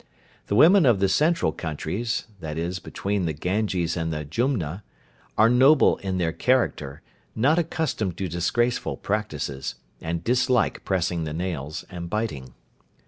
The women of the central countries (i.e., between the Ganges and the Jumna) are noble in their character, not accustomed to disgraceful practices, and dislike pressing the nails and biting.